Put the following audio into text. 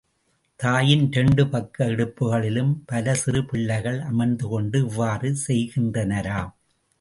தாயின் இரண்டு பக்க இடுப்புகளிலும் பல சிறு பிள்ளைகள் அமர்ந்துகொண்டு இவ்வாறு செய்கின்றனராம்.